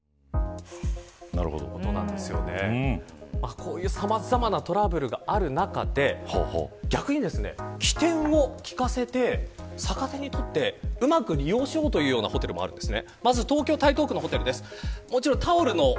こういうさまざまなトラブルがある中で逆に機転を利かせて逆手にとってうまく利用しようというホテルもあるんです。